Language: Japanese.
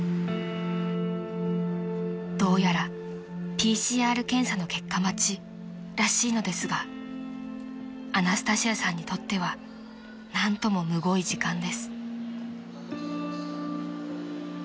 ［どうやらＰＣＲ検査の結果待ちらしいのですがアナスタシアさんにとっては何ともむごい時間です］